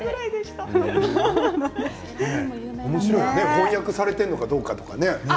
翻訳されているのかどうかね。